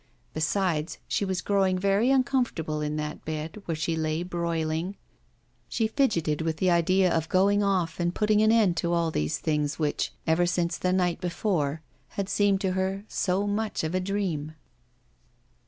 Besides, she was growing very uncomfortable in that bed, where she lay broiling; she fidgetted with the idea of going off and putting an end to all these things which, ever since the night before, had seemed to her so much of a dream.